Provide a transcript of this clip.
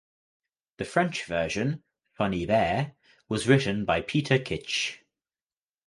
The French version ("Funny Bear") was written by Peter Kitsch.